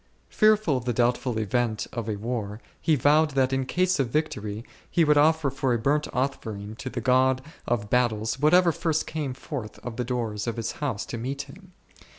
Fearful of the doubtful event of a war, he vowed that in case of victory he would offer for a burnt offering to the God of battles whatever first came forth of the doors of his house to meet him.